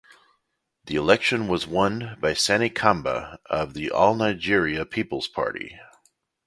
The election was won by Sani Kamba of the All Nigeria Peoples Party.